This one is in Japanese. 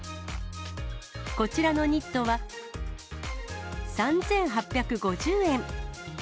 こちらのニットは、３８５０円。